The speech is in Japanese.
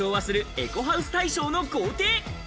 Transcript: エコハウス大賞の豪邸。